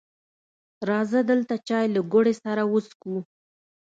راځه دلته چای له ګوړې سره وڅښو